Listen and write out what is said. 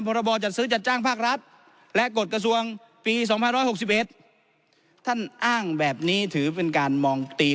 ระบอจัดซื้อจัดจ้างภาครัฐและกฎกระทรวงปี๒๖๑ท่านอ้างแบบนี้ถือเป็นการมองตี